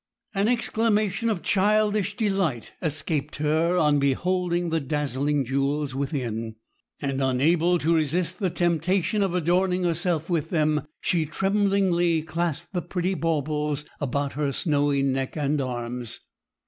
An exclamation of childish delight escaped her on beholding the dazzling jewels within, and unable to resist the temptation of adorning herself with them, she tremblingly clasped the pretty baubles about her snowy neck and arms.